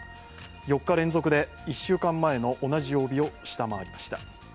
４日連続で１週間前の同じ曜日を下回りました。